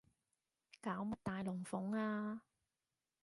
搞乜大龍鳳啊